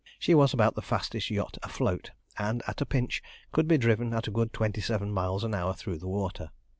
She was about the fastest yacht afloat, and at a pinch could be driven a good twenty seven miles an hour through the water.